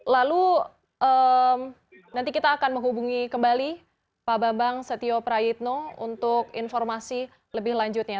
lalu nanti kita akan menghubungi kembali pak bambang setio prayitno untuk informasi lebih lanjutnya